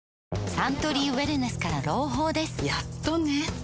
サントリーウエルネスから朗報ですやっとね